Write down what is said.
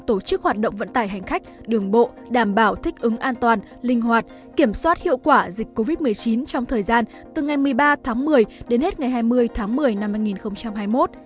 tổ chức hoạt động vận tải hành khách đường bộ đảm bảo thích ứng an toàn linh hoạt kiểm soát hiệu quả dịch covid một mươi chín trong thời gian từ ngày một mươi ba tháng một mươi đến hết ngày hai mươi tháng một mươi năm hai nghìn hai mươi một